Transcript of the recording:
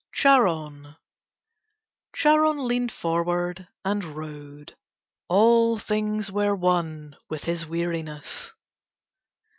CHARON Charon leaned forward and rowed. All things were one with his weariness.